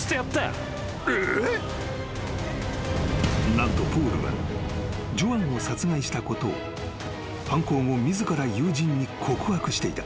［何とポールはジョアンを殺害したことを犯行後自ら友人に告白していた］